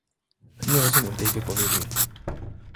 Nie rozumiem tej wypowiedzi